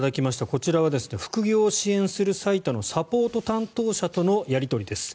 こちらは副業を支援するサイトのサポート担当者とのやり取りです。